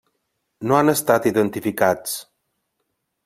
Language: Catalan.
No han estat identificats.